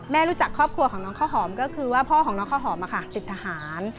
รู้จักครอบครัวของน้องข้าวหอมก็คือว่าพ่อของน้องข้าวหอมติดทหาร